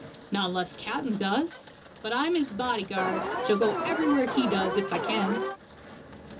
"Not unless capt'n does. But I'm his body guard, and shall go everywhere he does, if I can."